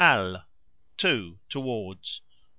al : to, towards.